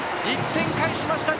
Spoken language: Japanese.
１点返しました。